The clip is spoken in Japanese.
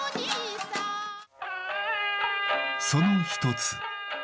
その一つ。